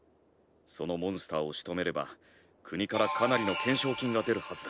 そのモンスターをしとめれば国からかなりの懸賞金が出るはずだ。